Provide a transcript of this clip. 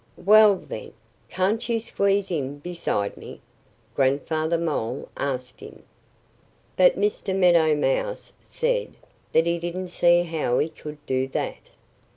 "Well, then can't you squeeze in beside me?" Grandfather Mole asked him. But Mr. Meadow Mouse said that he didn't see how he could do that.